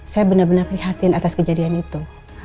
saya benar benar prihatin atas kejadian itu